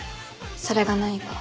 それが何か？